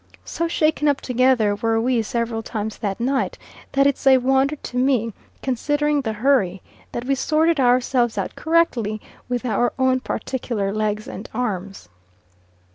So shaken up together were we several times that night, that it's a wonder to me, considering the hurry, that we sorted ourselves out correctly with our own particular legs and arms.